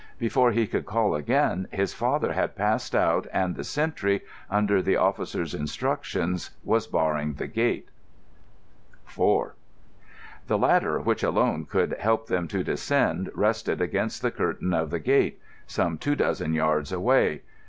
Before he could call again his father had passed out and the sentry, under the officer's instructions, was barring the gate. IV The ladder which alone could help them to descend rested against the curtain of the gate, some two dozen yards away.